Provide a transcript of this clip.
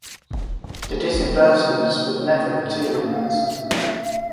The disbursements would never materialise.